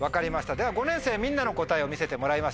では５年生みんなの答えを見せてもらいましょう。